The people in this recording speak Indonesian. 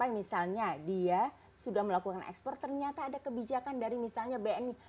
misalnya dia sudah melakukan ekspor ternyata ada kebijakan dari misalnya bni